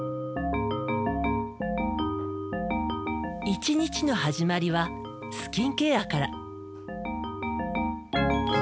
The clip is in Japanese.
一日の始まりはスキンケアから。